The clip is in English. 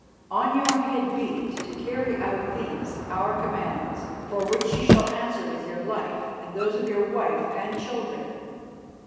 On your head be it to carry out these our commands, for which you shall answer with your life and those of your wife and children.